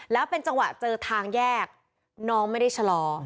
แล้วเป็นจังหวะเจอทางแยกน้องไม่ได้ชะลอ